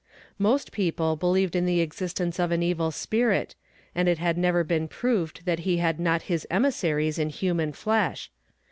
Most people believed in the existence of an evil spirit, and it had never been proved that he had not his emissaries in human flesh.